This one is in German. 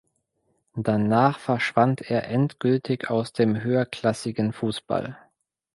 Danach verschwand er endgültig aus dem höherklassigen Fußball.